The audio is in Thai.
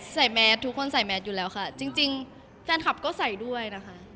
แมสทุกคนใส่แมสอยู่แล้วค่ะจริงแฟนคลับก็ใส่ด้วยนะคะ